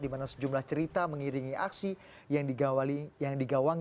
sangat besar kemungkinannya putaran kedua